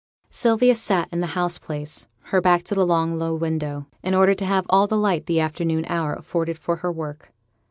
Sylvia sat in the house place, her back to the long low window, in order to have all the light the afternoon hour afforded for her work.